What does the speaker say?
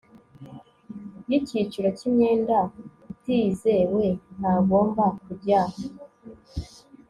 y icyiciro cy imyenda itizewe ntagomba kujya